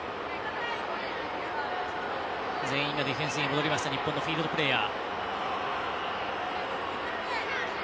全員がディフェンスに戻った日本のフィールドプレーヤー。